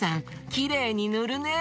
きれいにぬるね。